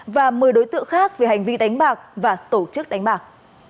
và một mươi đối tượng khác về hành vi đánh bạc và tổ chức đánh bạc